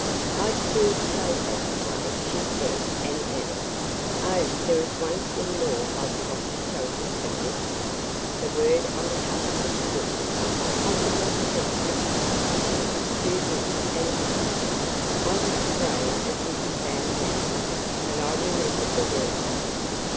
"I 'd feel safer that way," she said, and added, "Oh, there is one thing more I forgot to tell you, Bernice. The word on the cover of the book. I could not keep the cover. It was too big – and hard. I was afraid it would be found out. But I remembered the word.